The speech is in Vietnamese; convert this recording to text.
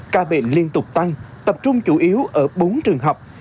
ca bệnh liên tục tăng tập trung chủ yếu ở bốn trường học